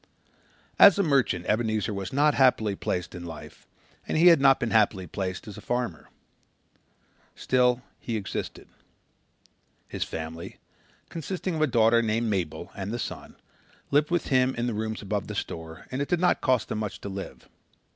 As a merchant Ebenezer was not happily placed in life and he had not been happily placed as a farmer. Still he existed. His family, consisting of a daughter named Mabel and the son, lived with him in rooms above the store and it did not cost them much to live.